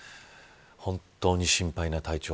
本当に心配な体調。